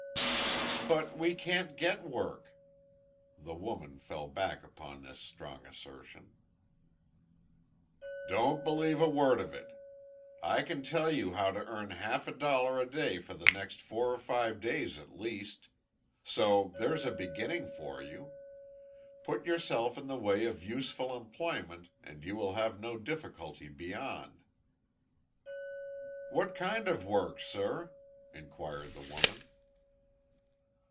"But we can't get work." The woman fell back upon this strong assertion. "Don't believe a word of it. I can tell you how to earn half a dollar a day for the next four or five days at least. So there's a beginning for you. Put yourself in the way of useful employment, and you will have no difficulty beyond." "What kind of work, sir?" inquired the woman.